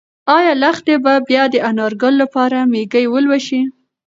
ایا لښتې به بیا د انارګل لپاره مېږې ولوشي؟